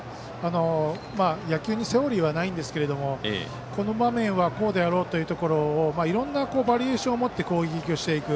野球にセオリーはないんですけれどもこの場面はこうであろうというところをいろいろなバリエーションを持って、攻撃をしていく。